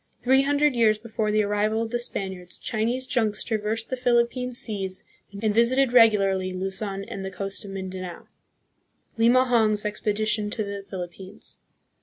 Three hundred years before the arrival of the Spaniards, Chinese junks traversed the Philippine seas and visited regularly Luzon and the coast of Mindanao. Limahong's Expedition to the Philippines.